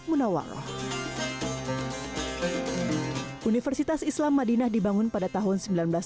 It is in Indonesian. universitas islam madinah dibangun pada tahun seribu sembilan ratus sembilan puluh